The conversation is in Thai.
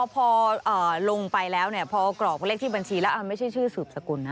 พอลงไปแล้วพอกรอกเลขที่บัญชีแล้วไม่ใช่ชื่อสืบสกุลนะ